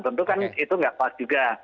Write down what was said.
tentu kan itu nggak pas juga